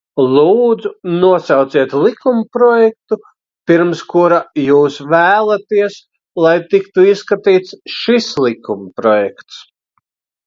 Lūdzu, nosauciet likumprojektu, pirms kura jūs vēlaties, lai tiktu izskatīts šis likumprojekts!